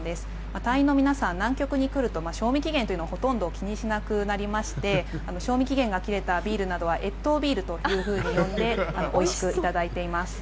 隊員の皆さん南極に来ると賞味期限というのをほとんど気にしなくなりまして賞味期限が切れたビールなどは越冬ビールと呼んでおいしくいただいています。